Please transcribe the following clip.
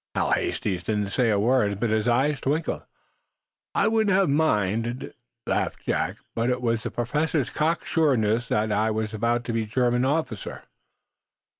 Hal Hastings didn't say a word, but his eyes twinkled. "I wouldn't have minded," laughed Jack, "but it was the Professor's cock sureness that I was to be Germany's oyster."